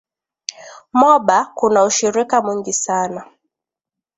Moba kuna ushirika mwingi sana